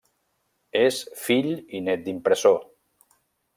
És fill i nét d’impressor.